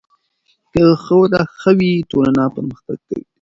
که ښوونه ښه وي، ټولنه پرمختګ کوي.